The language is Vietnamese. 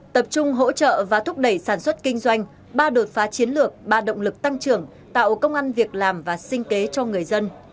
tập trung hỗ trợ và thúc đẩy sản xuất kinh doanh ba đột phá chiến lược ba động lực tăng trưởng tạo công an việc làm và sinh kế cho người dân